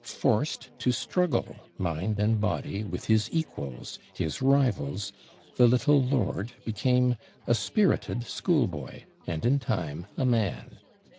Forced to struggle, mind and body, with his equals, his rivals, the little lord became a spirited schoolboy, and, in time, a man.